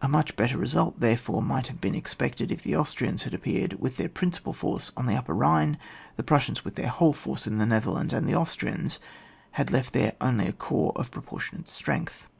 A much better result, therefore, might have been expected if the Austrians had appeared with their principal force on the Upper Bhine, the Prussians with their whole force in the Netherlands, and the Austrians had left there only a corps of proportionate strength.